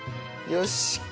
よし。